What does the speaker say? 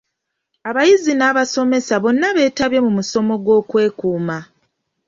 Abayizi n'abasomesa bonna betabye mu musomo gw'okwekuuma.